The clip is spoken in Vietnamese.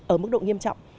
ở mức độ nghiêm trọng